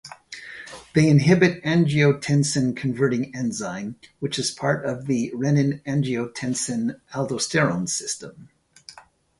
They inhibit angiotensin-converting enzyme, which is part of the renin-angiotensin-aldosterone system.